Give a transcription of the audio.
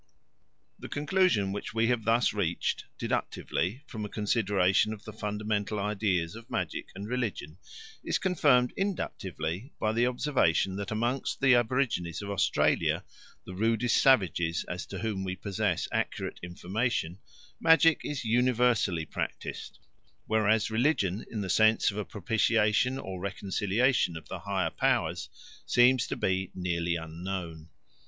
The conclusion which we have thus reached deductively from a consideration of the fundamental ideas of magic and religion is confirmed inductively by the observation that among the aborigines of Australia, the rudest savages as to whom we possess accurate information, magic is universally practised, whereas religion in the sense of a propitiation or conciliation of the higher powers seems to be nearly unknown.